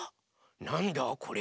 なんだこれ？